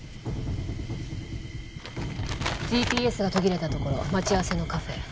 ＧＰＳが途切れたところ待ち合わせのカフェ